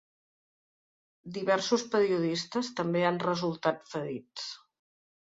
Diversos periodistes també han resultat ferits.